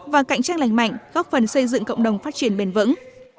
và cạnh tranh lành mạnh góp phần xây dựng cộng đồng phát triển bền vững